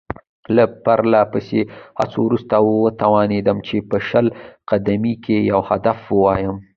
له پرله پسې هڅو وروسته وتوانېدم چې په شل قدمۍ کې یو هدف وولم.